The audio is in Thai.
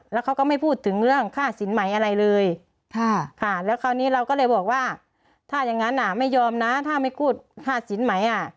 แล้วเขาก็ไม่พูดถึงเรื่องค่าสินใหม่อะไรเลยแล้วคราวนี้เราก็เลยบอกว่าถ้าอย่างนั้นไม่ยอมนะถ้าไม่พูดค่าสินไหมอ่ะ